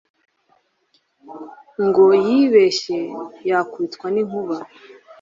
ngo yibeshye yakubitwa n’inkuba